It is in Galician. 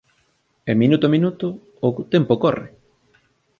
E minuto a minuto, o tempo corre.